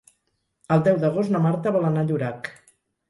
El deu d'agost na Marta vol anar a Llorac.